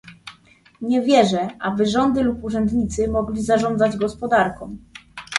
Nie wierzę, aby rządy lub urzędnicy mogli zarządzać gospodarką